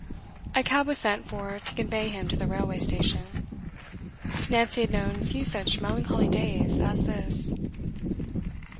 A cab was sent for to convey him to the railway station. Nancy had known few such melancholy days as this.